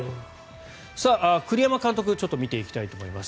栗山監督を見ていきたいと思います。